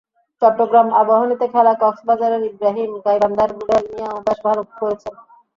চট্টগ্রাম আবাহনীতে খেলা কক্সবাজারের ইব্রাহিম, গাইবান্ধার রুবেল মিয়াও বেশ ভালো করছেন।